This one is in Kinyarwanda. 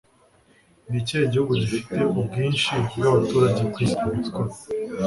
ni ikihe gihugu gifite ubwinshi bw'abaturage ku isi? (scott